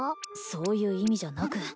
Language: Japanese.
そういう意味じゃなく！